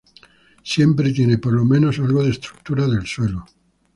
Siempre tiene por lo menos algo de estructura del suelo.